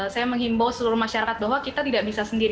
saya menghimbau seluruh masyarakat bahwa kita tidak bisa sendiri